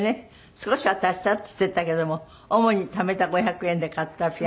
「少しは足した」って言っていたけども主にためた５００円で買ったピアノっていう。